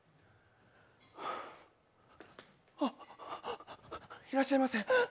あっ、いらっしゃいませ。